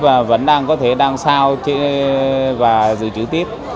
và vẫn đang có thể đang sao và dự trữ tiếp